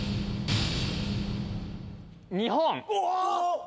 日本。